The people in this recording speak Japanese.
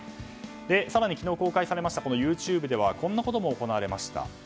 更に昨日、公開されたＹｏｕＴｕｂｅではこんなことも行われました。